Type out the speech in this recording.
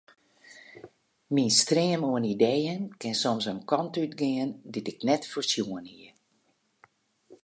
Myn stream oan ideeën kin soms in kant útgean dy't ik net foarsjoen hie.